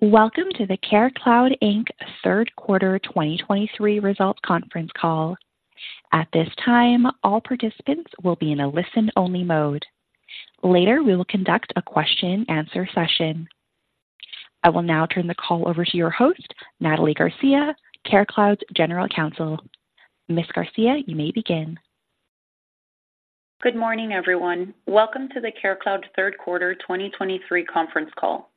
Welcome to the CareCloud, Inc third Quarter 2023 Results Conference Call. At this time, all participants will be in a listen-only mode. Later, we will conduct a question-and-answer session. I will now turn the call over to your host, Nathalie Garcia, CareCloud's General Counsel. Ms. Garcia, you may begin. Good morning, everyone. Welcome to the CareCloud Third Quarter 2023 conference call.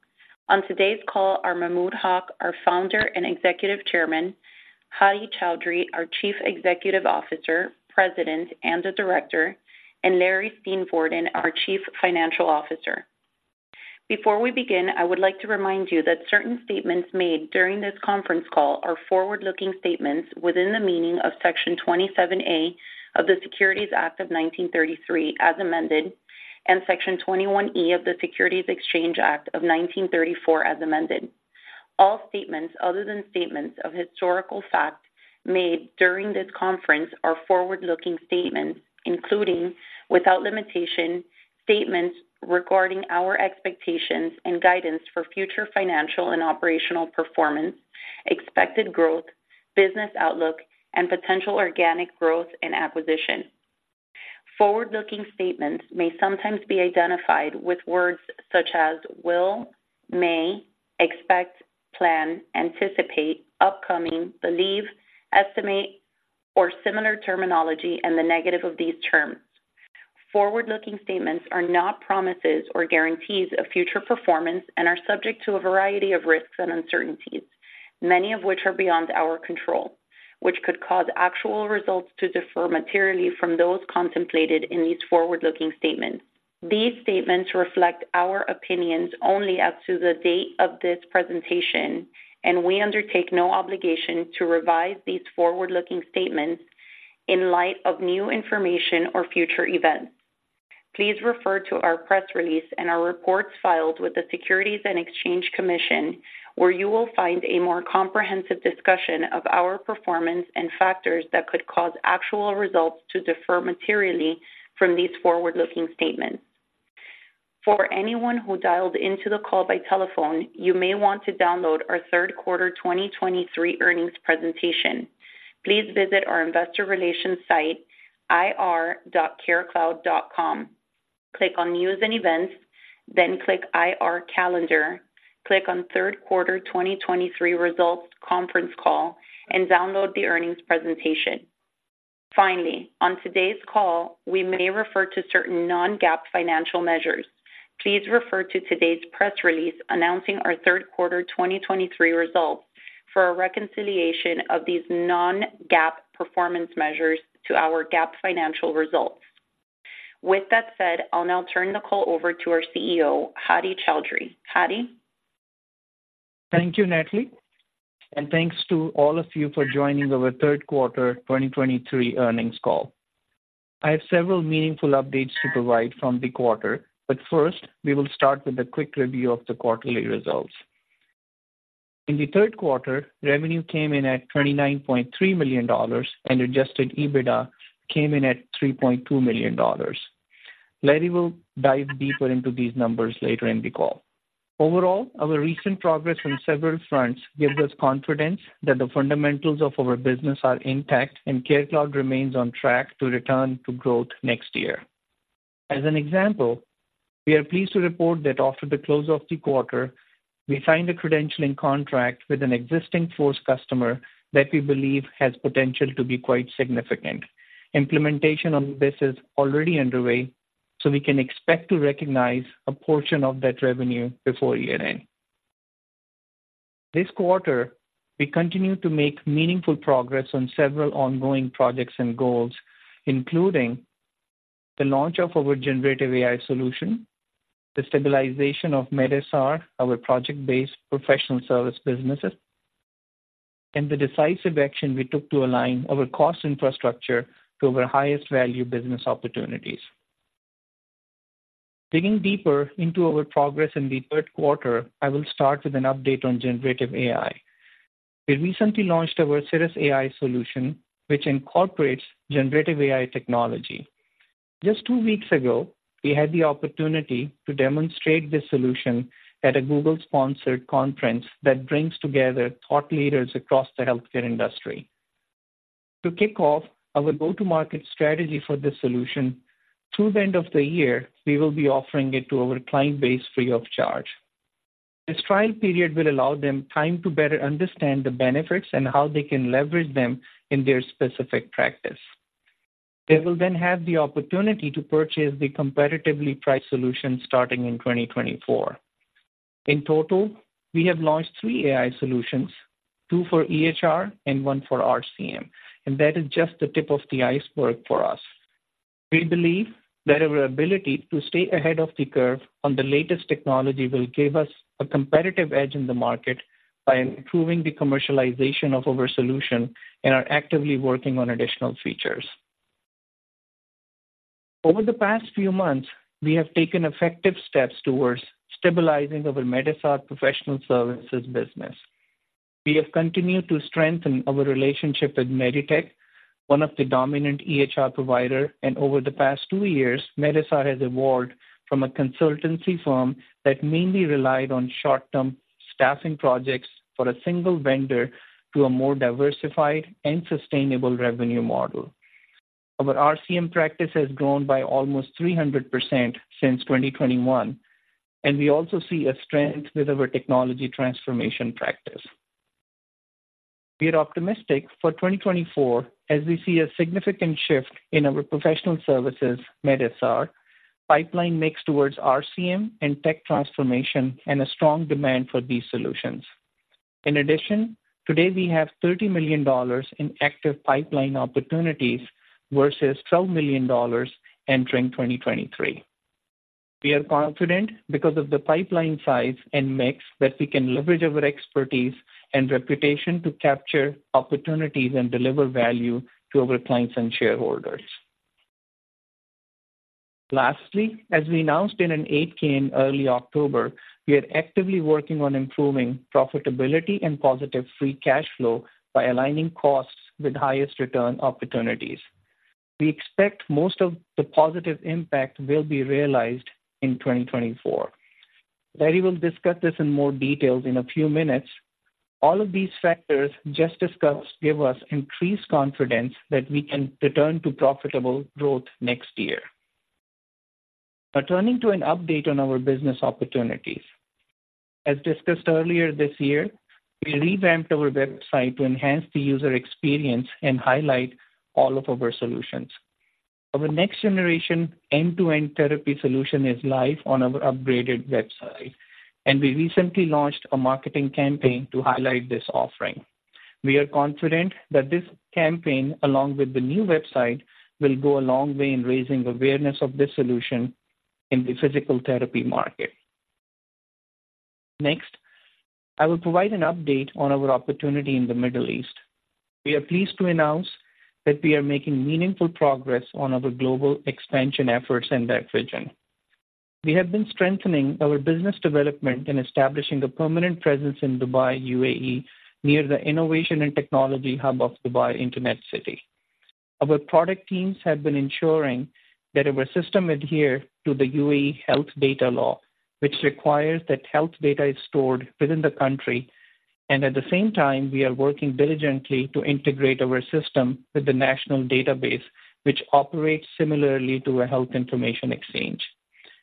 On today's call are Mahmud Haq, our Founder and Executive Chairman; Hadi Chaudhry, our Chief Executive Officer, President, and a Director; and Larry Steenvoorden, our Chief Financial Officer. Before we begin, I would like to remind you that certain statements made during this conference call are forward-looking statements within the meaning of Section 27A of the Securities Act of 1933, as amended, and Section 21E of the Securities Exchange Act of 1934, as amended. All statements other than statements of historical fact made during this conference are forward-looking statements, including, without limitation, statements regarding our expectations and guidance for future financial and operational performance, expected growth, business outlook, and potential organic growth and acquisition. Forward-looking statements may sometimes be identified with words such as will, may, expect, plan, anticipate, upcoming, believe, estimate, or similar terminology and the negative of these terms. Forward-looking statements are not promises or guarantees of future performance and are subject to a variety of risks and uncertainties, many of which are beyond our control, which could cause actual results to differ materially from those contemplated in these forward-looking statements. These statements reflect our opinions only as to the date of this presentation, and we undertake no obligation to revise these forward-looking statements in light of new information or future events. Please refer to our press release and our reports filed with the Securities and Exchange Commission, where you will find a more comprehensive discussion of our performance and factors that could cause actual results to differ materially from these forward-looking statements. For anyone who dialed into the call by telephone, you may want to download our third quarter 2023 earnings presentation. Please visit our investor relations site, ir.carecloud.com, click on News and Events, then click IR Calendar. Click on Third Quarter 2023 Results Conference Call and download the earnings presentation. Finally, on today's call, we may refer to certain non-GAAP financial measures. Please refer to today's press release announcing our third quarter 2023 results for a reconciliation of these non-GAAP performance measures to our GAAP financial results. With that said, I'll now turn the call over to our CEO, Hadi Chaudhry. Hadi? Thank you, Nathalie, and thanks to all of you for joining our third quarter 2023 earnings call. I have several meaningful updates to provide from the quarter, but first, we will start with a quick review of the quarterly results. In the third quarter, revenue came in at $29.3 million, and adjusted EBITDA came in at $3.2 million. Larry will dive deeper into these numbers later in the call. Overall, our recent progress on several fronts gives us confidence that the fundamentals of our business are intact, and CareCloud remains on track to return to growth next year. As an example, we are pleased to report that after the close of the quarter, we signed a credentialing contract with an existing Force customer that we believe has potential to be quite significant. Implementation on this is already underway, so we can expect to recognize a portion of that revenue before year-end. This quarter, we continued to make meaningful progress on several ongoing projects and goals, including the launch of our generative AI solution, the stabilization of medSR, our project-based professional service businesses, and the decisive action we took to align our cost infrastructure to our highest-value business opportunities. Digging deeper into our progress in the third quarter, I will start with an update on generative AI. We recently launched our CirrusAI solution, which incorporates generative AI technology. Just two weeks ago, we had the opportunity to demonstrate this solution at a Google-sponsored conference that brings together thought leaders across the healthcare industry. To kick off our go-to-market strategy for this solution, through the end of the year, we will be offering it to our client base free of charge. This trial period will allow them time to better understand the benefits and how they can leverage them in their specific practice. They will then have the opportunity to purchase the competitively priced solution starting in 2024. In total, we have launched three AI solutions, two for EHR and one for RCM, and that is just the tip of the iceberg for us. We believe that our ability to stay ahead of the curve on the latest technology will give us a competitive edge in the market by improving the commercialization of our solution and are actively working on additional features. Over the past few months, we have taken effective steps towards stabilizing our medSR professional services business. We have continued to strengthen our relationship with MEDITECH, one of the dominant EHR provider. Over the past two years, medSR has evolved from a consultancy firm that mainly relied on short-term staffing projects for a single vendor, to a more diversified and sustainable revenue model. Our RCM practice has grown by almost 300% since 2021, and we also see a strength with our technology transformation practice. We are optimistic for 2024 as we see a significant shift in our professional services, medSR. Pipeline mix towards RCM and tech transformation, and a strong demand for these solutions. In addition, today we have $30 million in active pipeline opportunities versus $12 million entering 2023. We are confident, because of the pipeline size and mix, that we can leverage our expertise and reputation to capture opportunities and deliver value to our clients and shareholders. Lastly, as we announced in an 8-K in early October, we are actively working on improving profitability and positive free cash flow by aligning costs with highest return opportunities. We expect most of the positive impact will be realized in 2024. Larry will discuss this in more details in a few minutes. All of these factors just discussed give us increased confidence that we can return to profitable growth next year. Now, turning to an update on our business opportunities. As discussed earlier this year, we revamped our website to enhance the user experience and highlight all of our solutions. Our next generation end-to-end therapy solution is live on our upgraded website, and we recently launched a marketing campaign to highlight this offering. We are confident that this campaign, along with the new website, will go a long way in raising awareness of this solution in the physical therapy market. Next, I will provide an update on our opportunity in the Middle East. We are pleased to announce that we are making meaningful progress on our global expansion efforts in that region. We have been strengthening our business development and establishing a permanent presence in Dubai, U.A.E., near the innovation and technology hub of Dubai Internet City. Our product teams have been ensuring that our system adheres to the U.A.E Health Data Law, which requires that health data is stored within the country. At the same time, we are working diligently to integrate our system with the national database, which operates similarly to a health information exchange.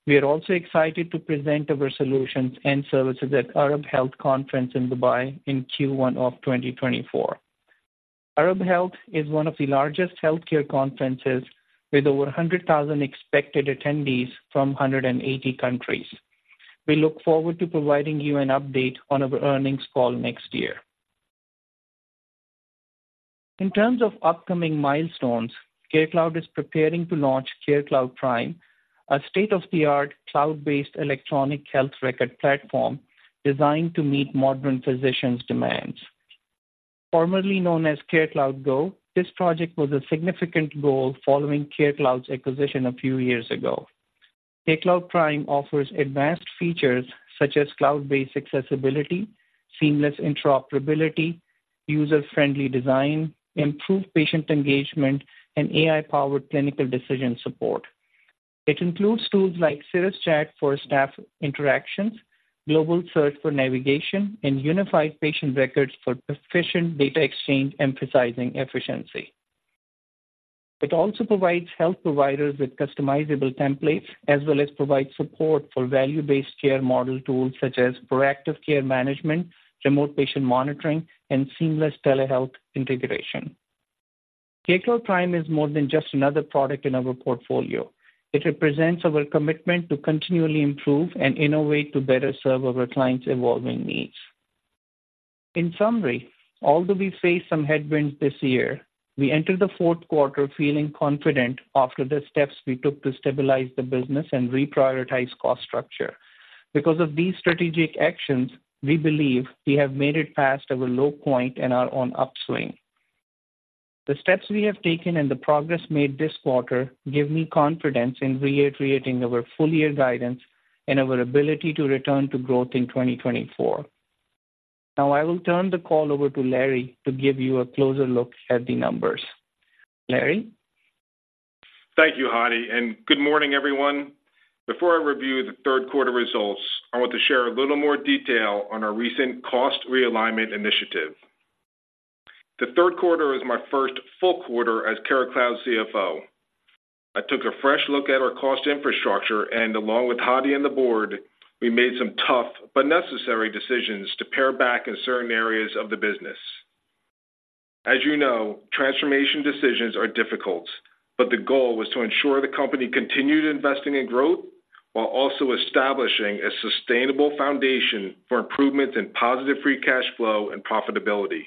We are also excited to present our solutions and services at Arab Health Conference in Dubai in Q1 of 2024. Arab Health is one of the largest healthcare conferences, with over 100,000 expected attendees from 180 countries. We look forward to providing you an update on our earnings call next year. In terms of upcoming milestones, CareCloud is preparing to launch CareCloud Prime, a state-of-the-art, cloud-based electronic health record platform designed to meet modern physicians' demands. Formerly known as CareCloud Go, this project was a significant goal following CareCloud's acquisition a few years ago. CareCloud Prime offers advanced features such as cloud-based accessibility, seamless interoperability, user-friendly design, improved patient engagement, and AI-powered clinical decision support. It includes tools like Cirrus Chat for staff interactions, global search for navigation, and unified patient records for efficient data exchange, emphasizing efficiency. It also provides health providers with customizable templates, as well as provides support for value-based care model tools such as proactive care management, remote patient monitoring, and seamless telehealth integration. CareCloud Prime is more than just another product in our portfolio. It represents our commitment to continually improve and innovate to better serve our clients' evolving needs. In summary, although we faced some headwinds this year, we entered the fourth quarter feeling confident after the steps we took to stabilize the business and reprioritize cost structure. Because of these strategic actions, we believe we have made it past our low point and are on upswing. The steps we have taken and the progress made this quarter give me confidence in reiterating our full-year guidance and our ability to return to growth in 2024. Now, I will turn the call over to Larry to give you a closer look at the numbers. Larry? Thank you, Hadi, and good morning, everyone. Before I review the third quarter results, I want to share a little more detail on our recent cost realignment initiative. The third quarter is my first full quarter as CareCloud's CFO. I took a fresh look at our cost infrastructure, and along with Hadi and the board, we made some tough but necessary decisions to pare back in certain areas of the business. As you know, transformation decisions are difficult, but the goal was to ensure the company continued investing in growth, while also establishing a sustainable foundation for improvements in positive free cash flow and profitability.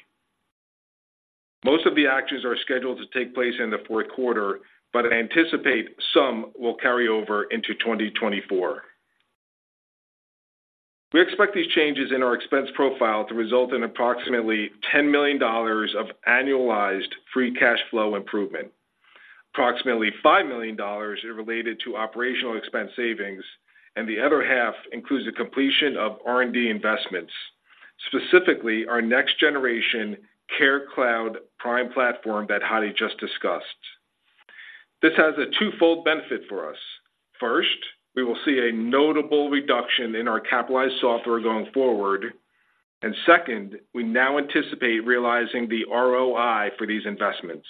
Most of the actions are scheduled to take place in the fourth quarter, but I anticipate some will carry over into 2024. We expect these changes in our expense profile to result in approximately $10 million of annualized free cash flow improvement. Approximately $5 million are related to operational expense savings, and the other half includes the completion of R&D investments, specifically our next-generation CareCloud Prime platform that Hadi just discussed. This has a twofold benefit for us. First, we will see a notable reduction in our capitalized software going forward, and second, we now anticipate realizing the ROI for these investments.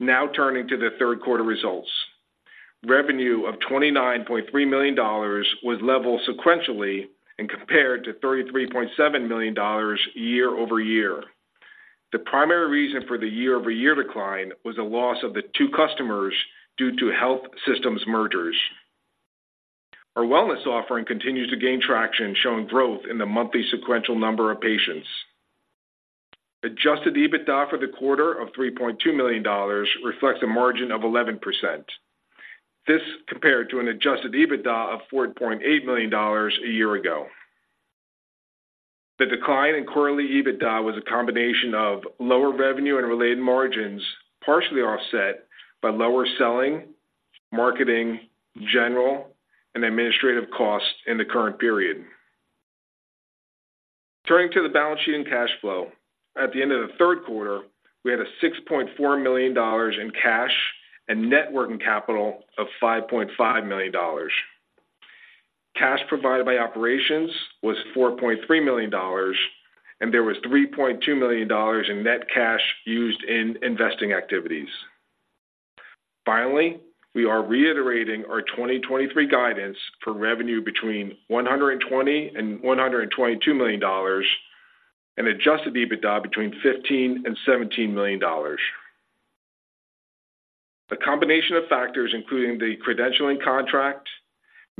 Now, turning to the third quarter results. Revenue of $29.3 million was level sequentially and compared to $33.7 million year-over-year. The primary reason for the year-over-year decline was a loss of two customers due to health systems mergers. Our wellness offering continues to gain traction, showing growth in the monthly sequential number of patients. Adjusted EBITDA for the quarter of $3.2 million reflects a margin of 11%. This compared to an adjusted EBITDA of $4.8 million a year ago. The decline in quarterly EBITDA was a combination of lower revenue and related margins, partially offset by lower selling, marketing, general, and administrative costs in the current period. Turning to the balance sheet and cash flow. At the end of the third quarter, we had $6.4 million in cash and net working capital of $5.5 million. Cash provided by operations was $4.3 million, and there was $3.2 million in net cash used in investing activities. Finally, we are reiterating our 2023 guidance for revenue between $120 million and $122 million, and adjusted EBITDA between $15 million and $17 million. A combination of factors, including the credentialing contract,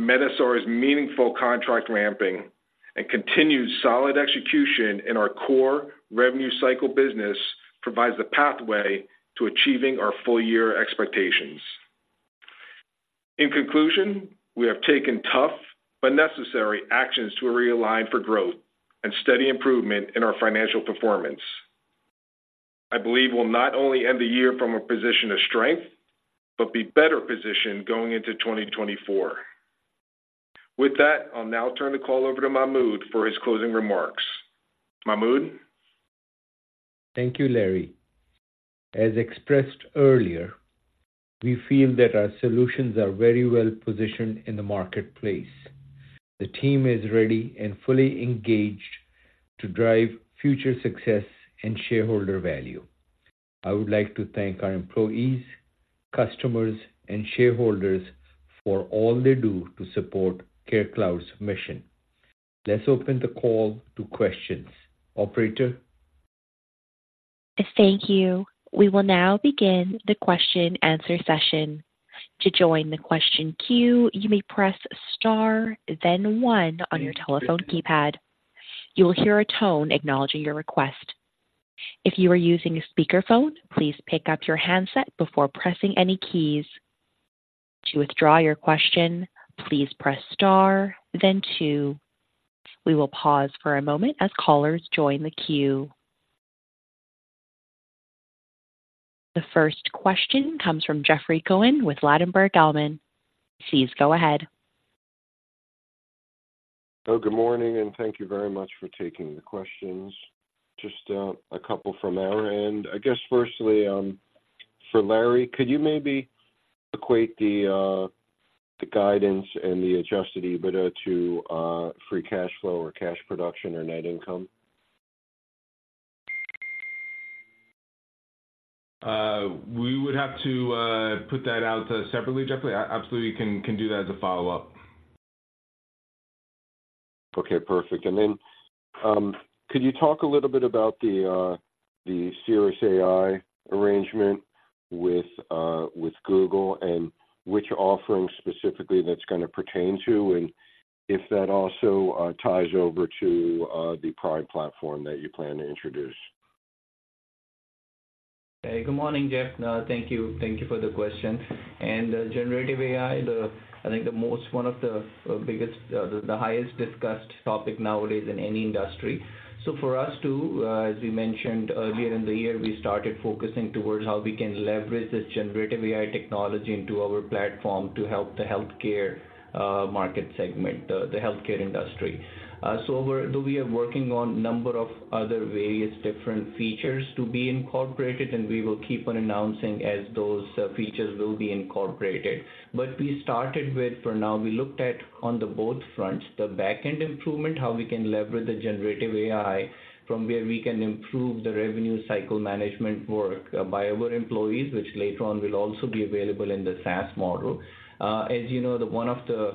medSR's meaningful contract ramping, and continued solid execution in our core revenue cycle business, provides the pathway to achieving our full year expectations. In conclusion, we have taken tough but necessary actions to realign for growth and steady improvement in our financial performance. I believe we'll not only end the year from a position of strength, but be better positioned going into 2024. With that, I'll now turn the call over to Mahmud for his closing remarks. Mahmud? Thank you, Larry. As expressed earlier, we feel that our solutions are very well positioned in the marketplace. The team is ready and fully engaged to drive future success and shareholder value. I would like to thank our employees, customers, and shareholders for all they do to support CareCloud's mission. Let's open the call to questions. Operator? Thank you. We will now begin the question-answer session. To join the question queue, you may press star, then one on your telephone keypad. You will hear a tone acknowledging your request. If you are using a speakerphone, please pick up your handset before pressing any keys. To withdraw your question, please press star, then two. We will pause for a moment as callers join the queue. The first question comes from Jeffrey Cohen with Ladenburg Thalmann. Please go ahead. Oh, good morning, and thank you very much for taking the questions. Just a couple from our end. I guess firstly, for Larry, could you maybe equate the guidance and the adjusted EBITDA to free cash flow or cash production or net income? We would have to put that out separately, Jeffrey. I absolutely can do that as a follow-up. Okay, perfect. And then, could you talk a little bit about the CirrusAI arrangement with Google and which offerings specifically that's gonna pertain to, and if that also ties over to the Prime platform that you plan to introduce? Good morning, Jeff. Thank you. Thank you for the question. And, generative AI, the... I think the most one of the, biggest, the highest discussed topic nowadays in any industry. So for us too, as we mentioned earlier in the year, we started focusing towards how we can leverage this generative AI technology into our platform to help the healthcare, market segment, the, the healthcare industry. So we're- we are working on a number of other various different features to be incorporated, and we will keep on announcing as those, features will be incorporated. But we started with, for now, we looked at on the both fronts, the back-end improvement, how we can leverage the generative AI from where we can improve the revenue cycle management work by our employees, which later on will also be available in the SaaS model. As you know, one of the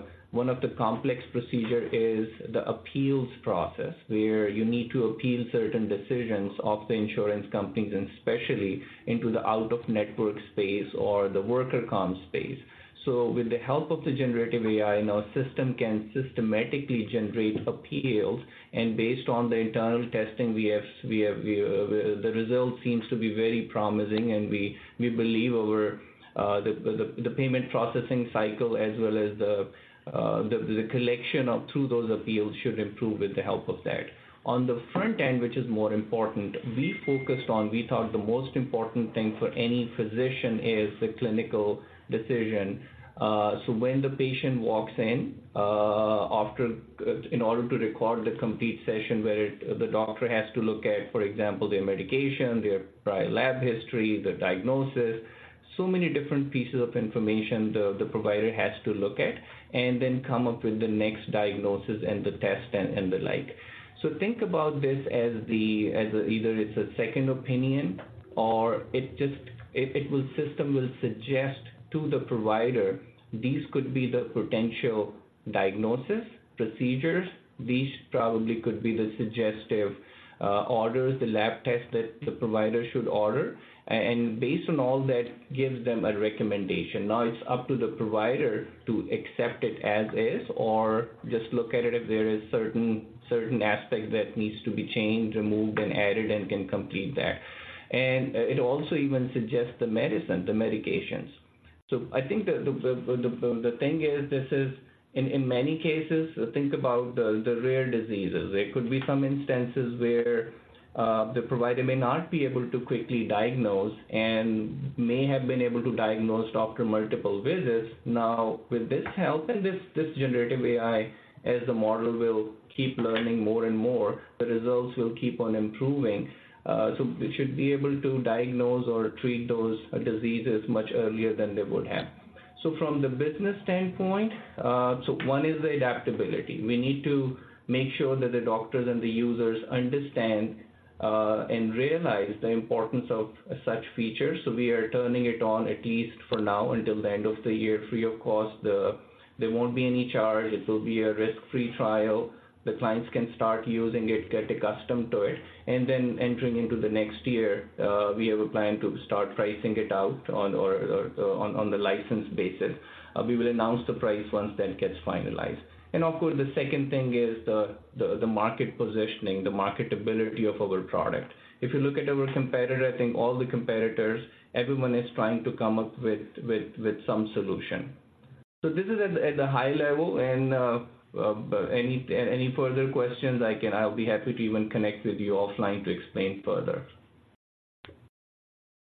complex procedures is the appeals process, where you need to appeal certain decisions of the insurance companies, and especially in the out-of-network space or the worker comp space. So with the help of the generative AI, now the system can systematically generate appeals, and based on the internal testing, the results seem to be very promising, and we believe our, the payment processing cycle, as well as the collection through those appeals, should improve with the help of that. On the front end, which is more important, we focused on; we thought the most important thing for any physician is the clinical decision. So when the patient walks in, after, in order to record the complete session where it, the doctor has to look at, for example, their medication, their prior lab history, the diagnosis, so many different pieces of information the provider has to look at, and then come up with the next diagnosis and the test and the like. Think about this as either it's a second opinion or it just- it, it will system will suggest to the provider, these could be the potential diagnosis, procedures. These probably could be the suggestive orders, the lab test that the provider should order, and based on all that, gives them a recommendation. Now, it's up to the provider to accept it as is, or just look at it if there is certain, certain aspects that need to be changed, removed, and added, and can complete that. It also even suggests the medicine, the medications. So I think the thing is, this is in many cases, think about the rare diseases. There could be some instances where the provider may not be able to quickly diagnose and may have been able to diagnose after multiple visits. Now, with this help and this generative AI, as the model will keep learning more and more, the results will keep on improving. So we should be able to diagnose or treat those diseases much earlier than they would have. So from the business standpoint, so one is the adaptability. We need to make sure that the doctors and the users understand and realize the importance of such features. So we are turning it on, at least for now, until the end of the year, free of cost. There won't be any charge. It will be a risk-free trial. The clients can start using it, get accustomed to it, and then entering into the next year, we have a plan to start pricing it out on the license basis. We will announce the price once that gets finalized. And of course, the second thing is the market positioning, the marketability of our product. If you look at our competitor, I think all the competitors, everyone is trying to come up with some solution. So this is at a high level, and any further questions, I'll be happy to even connect with you offline to explain further.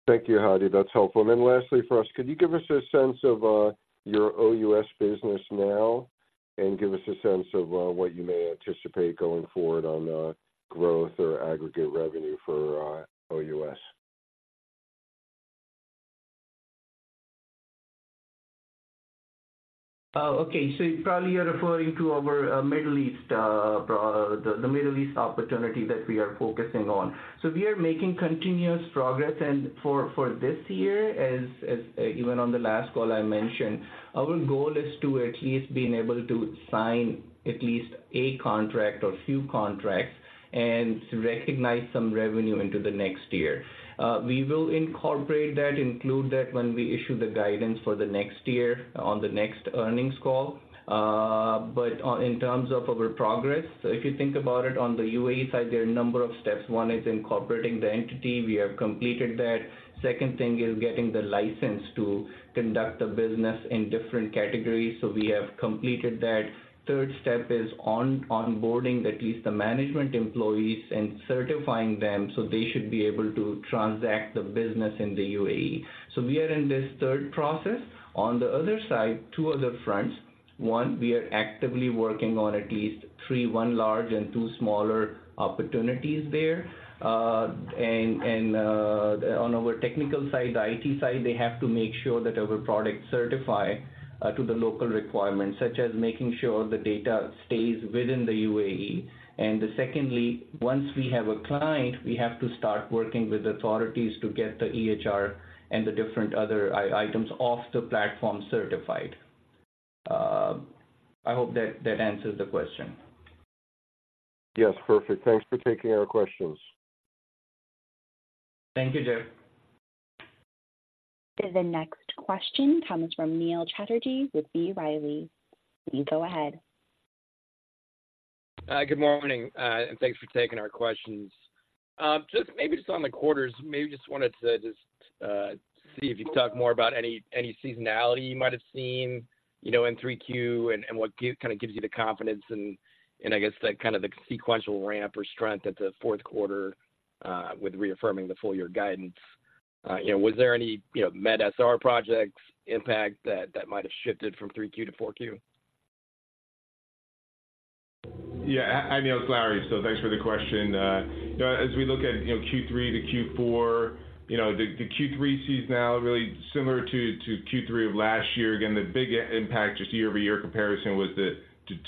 Thank you, Hadi. That's helpful. And then lastly for us, could you give us a sense of your OUS business now and give us a sense of what you may anticipate going forward on growth or aggregate revenue for OUS? Okay. So you probably are referring to our Middle East, the Middle East opportunity that we are focusing on. So we are making continuous progress, and for this year, as even on the last call I mentioned, our goal is to at least being able to sign at least a contract or few contracts and to recognize some revenue into the next year. We will incorporate that, include that when we issue the guidance for the next year on the next earnings call. But in terms of our progress, so if you think about it, on the U.A.E side, there are a number of steps. One is incorporating the entity. We have completed that. Second thing is getting the license to conduct the business in different categories, so we have completed that. Third step is onboarding, at least the management employees, and certifying them so they should be able to transact the business in the U.A.E. So we are in this third process. On the other side, two other fronts. One, we are actively working on at least three, one large and two smaller opportunities there. On our technical side, the IT side, they have to make sure that our product certify to the local requirements, such as making sure the data stays within the U.A.E. And secondly, once we have a client, we have to start working with authorities to get the EHR and the different other items off the platform certified. I hope that answers the question. Yes, perfect. Thanks for taking our questions. Thank you, Jeff. The next question comes from Neil Chatterji with B. Riley. You can go ahead. Good morning, and thanks for taking our questions. Just maybe just on the quarters, maybe just wanted to just see if you could talk more about any, any seasonality you might have seen, you know, in 3Q, and what gives you the confidence and I guess the kind of the sequential ramp or strength at the fourth quarter with reaffirming the full year guidance. Was there any, you know, medSR projects impact that might have shifted from 3Q to 4Q? Yeah, hi, Neil, it's Larry. So thanks for the question. You know, as we look at, you know, Q3 to Q4, you know, the Q3 sees now really similar to Q3 of last year. Again, the big impact, just year-over-year comparison, was the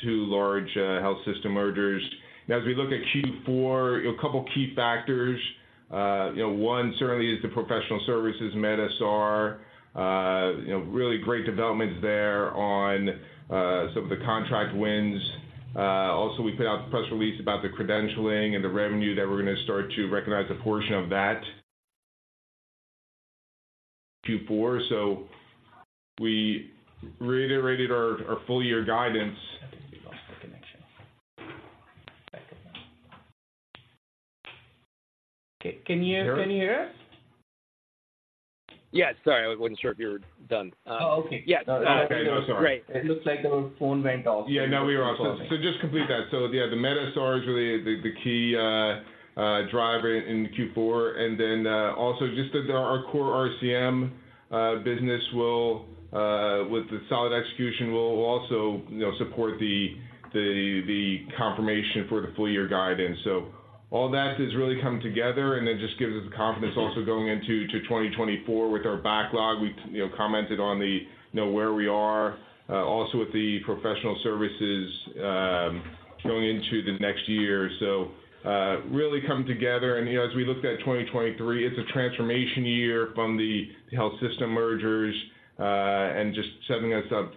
two large health system mergers. Now, as we look at Q4, a couple key factors. You know, one certainly is the professional services medSR. You know, really great developments there on some of the contract wins. Also, we put out the press release about the credentialing and the revenue that we're going to start to recognize a portion of that Q4, so we reiterated our full year guidance. I think we lost the connection. Okay, can you- can you hear us? Yes. Sorry, I wasn't sure if you were done. Oh, okay. Yeah. Okay. No, sorry. Great. It looks like our phone went off. Yeah, no, we were off. So just complete that. So yeah, the medSR is really the key driver in Q4. And then also just that our core RCM business. The solid execution will also, you know, support the confirmation for the full year guidance. So all that has really come together and then just gives us the confidence also going into 2024 with our backlog. We, you know, commented on the, you know, where we are also with the professional services going into the next year. So really come together. And, you know, as we looked at 2023, it's a transformation year from the health system mergers and just setting us up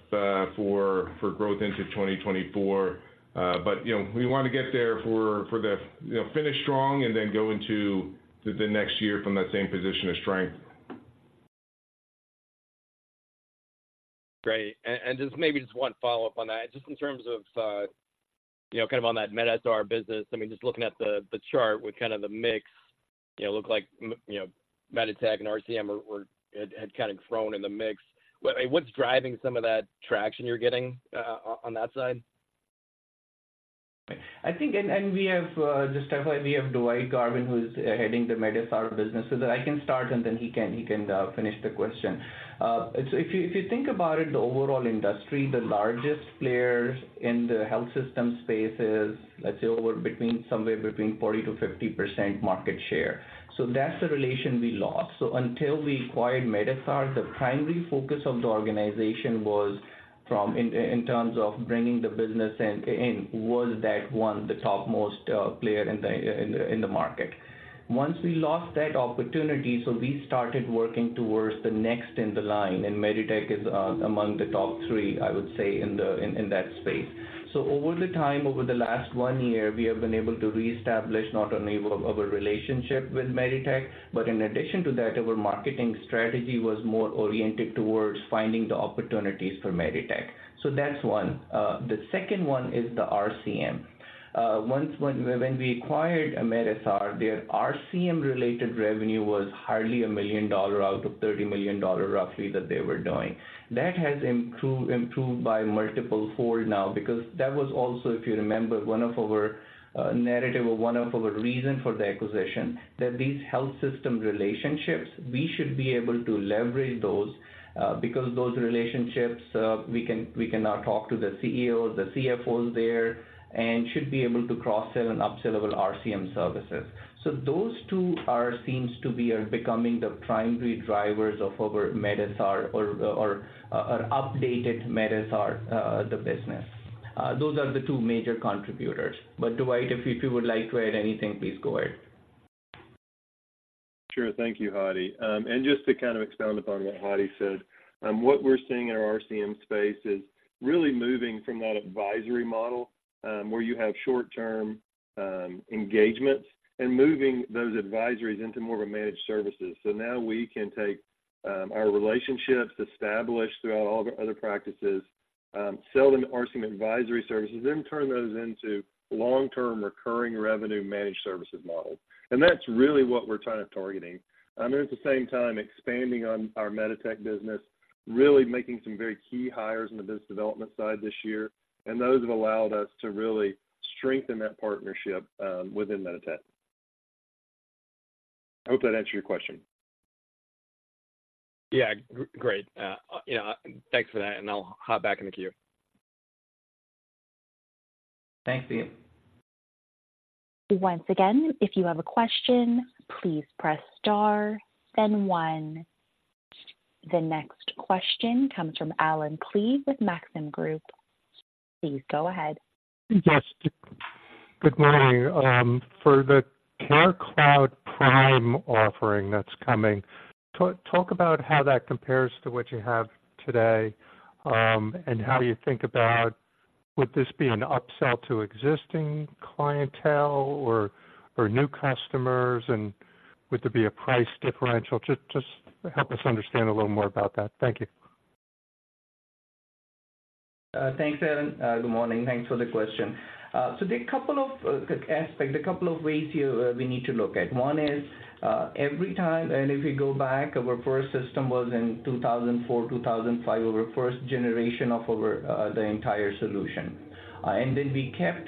for growth into 2024. But, you know, we want to get there for the, you know, finish strong and then go into the next year from that same position of strength. Great. And just maybe just one follow-up on that. Just in terms of, you know, kind of on that medSR business. I mean, just looking at the chart with kind of the mix, you know, look like you know, MEDITECH and RCM are were had kind of thrown in the mix. What's driving some of that traction you're getting on that side? I think, and we have Dwight Garvin, who's heading the medSR business. So I can start and then he can finish the question. So if you think about it, the overall industry, the largest players in the health system space is, let's say, somewhere between 40%-50% market share. So that's the relation we lost. So until we acquired medSR, the primary focus of the organization was, in terms of bringing the business in, that one, the topmost player in the market. Once we lost that opportunity, so we started working towards the next in line, and MEDITECH is among the top three, I would say, in that space. Over the time, over the last one year, we have been able to reestablish not only our, our relationship with MEDITECH, but in addition to that, our marketing strategy was more oriented towards finding the opportunities for MEDITECH. So that's one. The second one is the RCM. Once when, when we acquired medSR, their RCM-related revenue was hardly $1 million out of $30 million, roughly, that they were doing. That has improved, improved by multiple fold now, because that was also, if you remember, one of our, narrative or one of our reason for the acquisition. That these health system relationships, we should be able to leverage those, because those relationships, we can, we can now talk to the CEO, the CFOs there, and should be able to cross-sell and upsell our RCM services. So those two seem to be becoming the primary drivers of our medSR or updated medSR, the business. Those are the two major contributors. But Dwight, if you would like to add anything, please go ahead. Sure. Thank you, Hadi. And just to kind of expound upon what Hadi said, what we're seeing in our RCM space is really moving from that advisory model, where you have short-term engagements, and moving those advisories into more of a managed services. So now we can take our relationships established throughout all the other practices, sell them RCM advisory services, then turn those into long-term recurring revenue managed services model. And that's really what we're trying to targeting, and at the same time, expanding on our MEDITECH business, really making some very key hires on the business development side this year, and those have allowed us to really strengthen that partnership within MEDITECH. I hope that answers your question. Yeah, great. You know, thanks for that, and I'll hop back in the queue. Thanks, Ian. Once again, if you have a question, please press star then one. The next question comes from Allen Klee with Maxim Group. Please go ahead. Yes, good morning. For the CareCloud Prime offering that's coming, talk about how that compares to what you have today, and how you think about, would this be an upsell to existing clientele or new customers, and would there be a price differential? Just help us understand a little more about that. Thank you. Thanks, Alan. Good morning. Thanks for the question. So there are a couple of aspects, a couple of ways here we need to look at. One is every time... and if we go back, our first system was in 2004, 2005, our first generation of our... the entire solution. And then we kept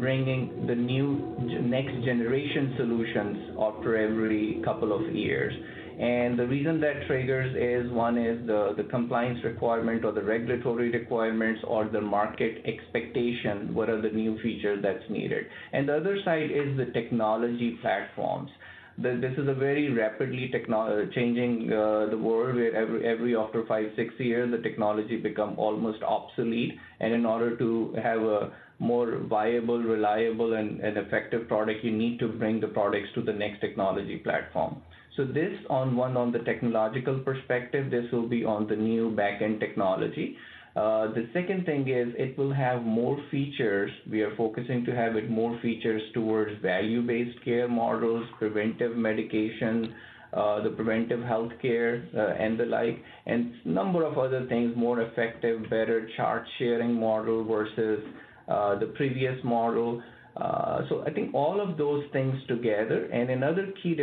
bringing the new next generation solutions after every couple of years. And the reason that triggers is, one, is the compliance requirement or the regulatory requirements or the market expectation. What are the new features that's needed? And the other side is the technology platforms. This is a very rapidly technology-changing world, where every after 5, 6 years, the technology become almost obsolete. In order to have a more viable, reliable, and effective product, you need to bring the products to the next technology platform. This, on the technological perspective, will be on the new back-end technology. The second thing is it will have more features. We are focusing to have it more features towards value-based care models, preventive medication, the preventive healthcare, and the like, and number of other things, more effective, better chart sharing model versus the previous model. I think all of those things together. Another key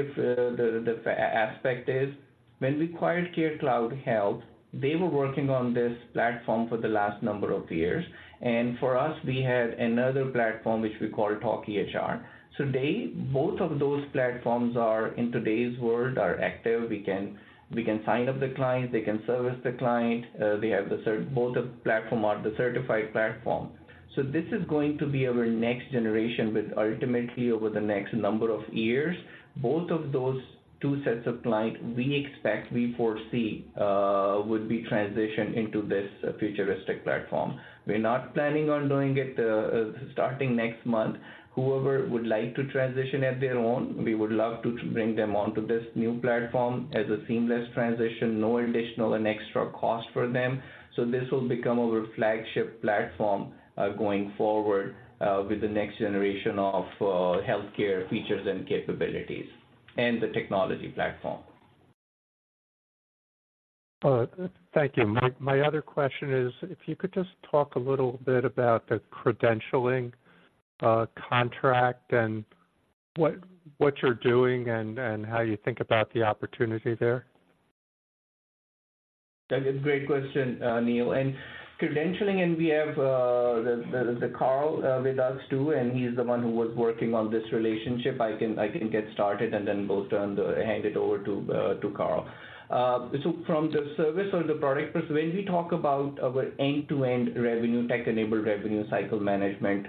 aspect is, when we acquired CareCloud Health, they were working on this platform for the last number of years, and for us, we had another platform, which we call talkEHR. Both of those platforms are, in today's world, active. We can, we can sign up the client, they can service the client, they have the cert... Both the platform are the certified platform. So this is going to be our next generation, but ultimately over the next number of years, both of those two sets of clients, we expect, we foresee, would be transitioned into this futuristic platform. We're not planning on doing it, starting next month. Whoever would like to transition at their own, we would love to bring them onto this new platform as a seamless transition, no additional and extra cost for them. So this will become our flagship platform, going forward, with the next generation of, healthcare features and capabilities and the technology platform. Thank you. My other question is, if you could just talk a little bit about the credentialing contract and what you're doing and how you think about the opportunity there. That is a great question, Neil. Credentialing, and we have Karl with us too, and he's the one who was working on this relationship. I can get started and then hand it over to Karl. So from the service or the product perspective, when we talk about our end-to-end revenue tech-enabled revenue cycle management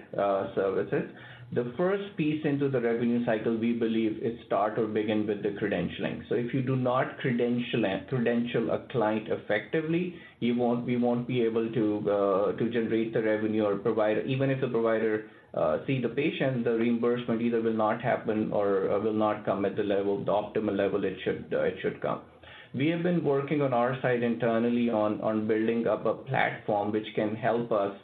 services, the first piece into the revenue cycle we believe it start or begin with the credentialing. So if you do not credential a client effectively, you won't, we won't be able to generate the revenue or provider. Even if the provider see the patient, the reimbursement either will not happen or will not come at the level, the optimal level it should come. We have been working on our side internally on building up a platform which can help us,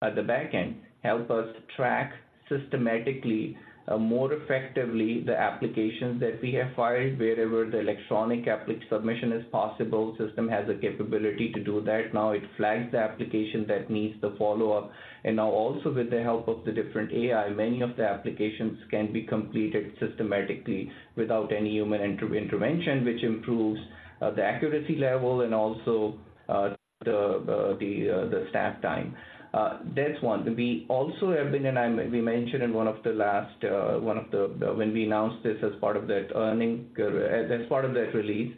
at the back end, help us track systematically more effectively the applications that we have filed. Wherever the electronic application submission is possible, system has the capability to do that. Now, it flags the application that needs the follow-up. And now also with the help of the different AI, many of the applications can be completed systematically without any human intervention, which improves the accuracy level and also the staff time. That's one. We also have been, and I... We mentioned in one of the last, when we announced this as part of that earnings, as part of that release,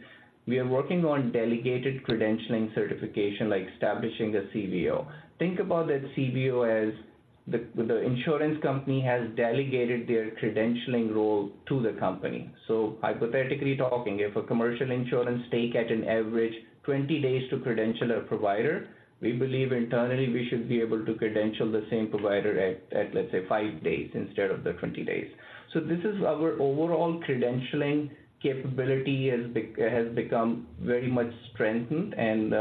we are working on delegated credentialing certification, like establishing a CVO. Think about that CVO as the insurance company has delegated their credentialing role to the company. So hypothetically talking, if a commercial insurance take at an average 20 days to credential a provider, we believe internally we should be able to credential the same provider at, let's say, five days instead of the 20 days. So this is our overall credentialing capability has become very much strengthened, and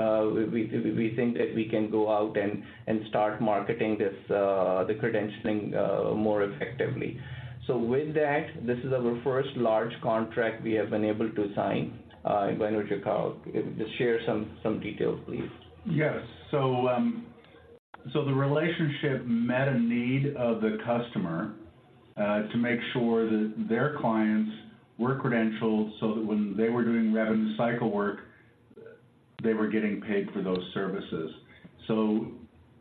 we think that we can go out and start marketing this, the credentialing, more effectively. So with that, this is our first large contract we have been able to sign. Why don't you, Karl, just share some details, please? Yes. So the relationship met a need of the customer to make sure that their clients were credentialed so that when they were doing revenue cycle work, they were getting paid for those services. So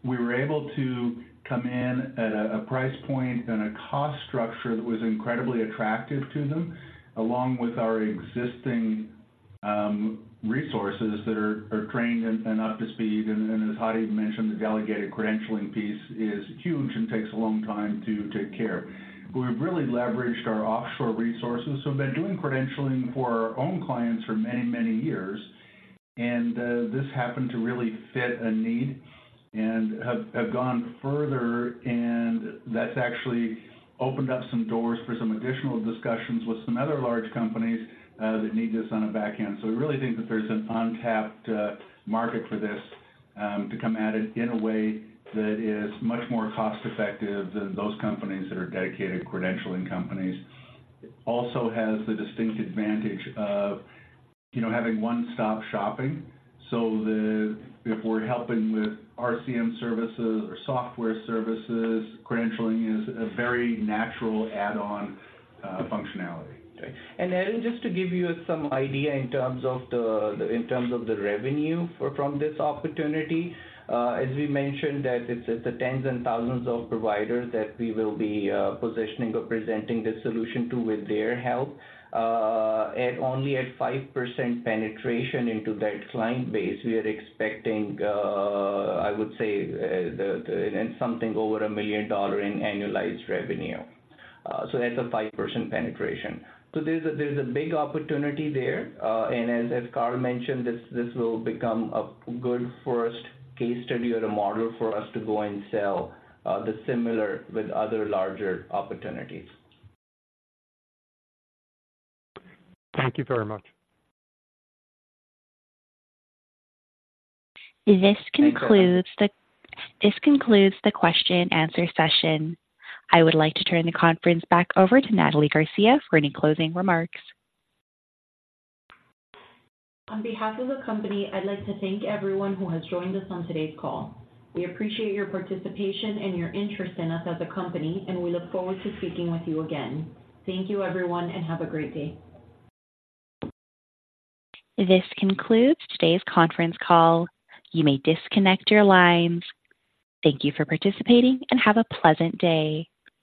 we were able to come in at a price point and a cost structure that was incredibly attractive to them, along with our existing resources that are trained and up to speed. And then, as Hadi mentioned, the delegated credentialing piece is huge and takes a long time to take care. We've really leveraged our offshore resources. So we've been doing credentialing for our own clients for many, many years, and this happened to really fit a need and have gone further, and that's actually opened up some doors for some additional discussions with some other large companies that need this on the back end. So we really think that there's an untapped market for this to come at it in a way that is much more cost-effective than those companies that are dedicated credentialing companies. It also has the distinct advantage of, you know, having one-stop shopping. So, if we're helping with RCM services or software services, credentialing is a very natural add-on functionality. And Allen, just to give you some idea in terms of the revenue for, from this opportunity, as we mentioned, that it's the tens and thousands of providers that we will be positioning or presenting this solution to with their help. And only at 5% penetration into that client base, we are expecting, I would say, and something over $1 million in annualized revenue. So that's a 5% penetration. So there's a big opportunity there. And as Karl mentioned, this will become a good first case study or a model for us to go and sell the similar with other larger opportunities. Thank you very much. This concludes the question-and-answer session. I would like to turn the conference back over to Nathalie Garcia for any closing remarks. On behalf of the company, I'd like to thank everyone who has joined us on today's call. We appreciate your participation and your interest in us as a company, and we look forward to speaking with you again. Thank you, everyone, and have a great day. This concludes today's conference call. You may disconnect your lines. Thank you for participating and have a pleasant day.